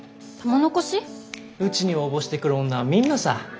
うちに応募してくる女はみんなさ。